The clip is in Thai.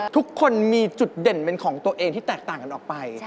ทุกคนมีจุดเด่นเป็นของตัวเองที่แตกต่างกันออกไป